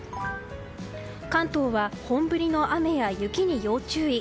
関東は本降りの雨や雪に要注意。